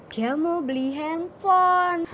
dia mau beli handphone